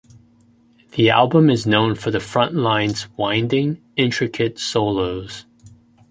The album is known for the front line's winding, intricate solos.